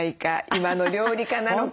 今の料理家なのか。